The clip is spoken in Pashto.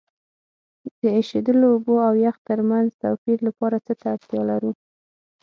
د ایشیدلو اوبو او یخ ترمنځ توپیر لپاره څه ته اړتیا لرو؟